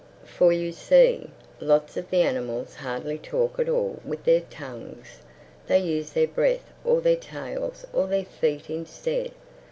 For you see, lots of the animals hardly talk at all with their tongues; they use their breath or their tails or their feet instead.